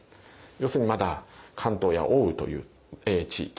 要するにまだ関東や奥羽という地域。